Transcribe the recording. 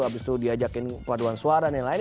abis itu diajakin paduan suara dan lain lain